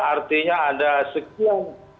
artinya ada sekian